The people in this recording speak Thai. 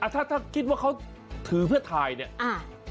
ถ้าคิดว่าเขาถือเพื่อย่างนี้